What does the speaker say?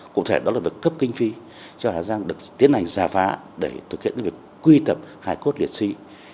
cụ thể đó là việc cấp kinh phi cho hà giang được tiến hành giả phá để thực hiện việc quy tập hải cốt liệt sĩ